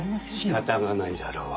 仕方がないだろう